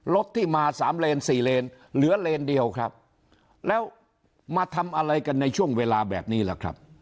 รถที่มาสามเลนสี่เลนเหลือเลนเดียวครับแล้วมาทำอะไรกันในช่วงเวลาแบบนี้ล่ะครับ